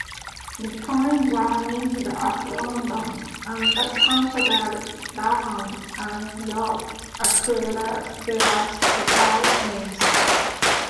The coins were minted at London, and the Canterbury, Durham and York ecclesiastical mints.